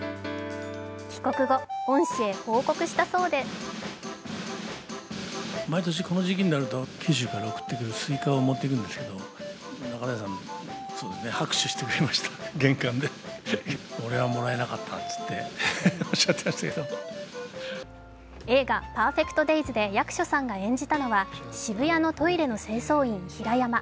帰国後、恩師へ報告したそうで映画「ＰＥＲＦＥＣＴＤＡＹＳ」で役所さんが演じたのは渋谷のトイレの清掃員・平山。